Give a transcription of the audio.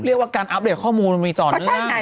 เรียกว่าการอัปเดตข้อมูลมีส่วนอื่นคะ